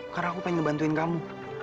karena aku pengen ngebantuin kamu